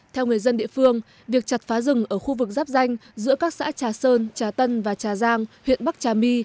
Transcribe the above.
theo người dân địa phương việc chặt phá rừng ở khu vực giáp danh giữa các xã trà sơn trà tân và trà giang huyện bắc trà my